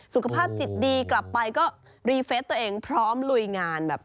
สุขภาพจิตดีกลับไปก็รีเฟสตัวเองพร้อมลุยงานแบบ